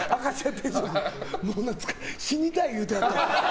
もう死にたい言うてやった。